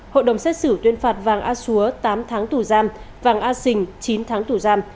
hội đồng xét xử tuyên phạt vàng a xúa tám tháng tù giam vàng a sình chín tháng tù giam